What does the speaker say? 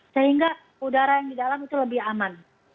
sehingga udara yang di dalam itu lebih aman